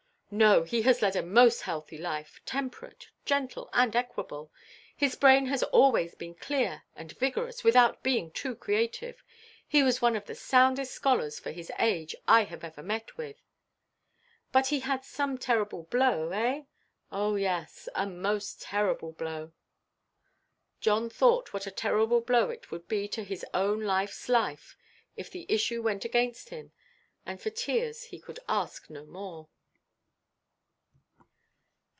"No, he has led a most healthy life—temperate, gentle, and equable. His brain has always been clear and vigorous, without being too creative. He was one of the soundest scholars for his age I have ever met with." "But he had some terrible blow, eh?" "Oh yes, a most terrible blow." John thought what a terrible blow it would be to his own lifeʼs life, if the issue went against him, and for tears he could ask no more.